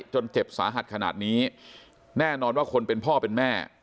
จนเจ็บสาหัสขนาดนี้แน่นอนว่าคนเป็นพ่อเป็นแม่